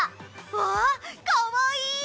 わあかわいい！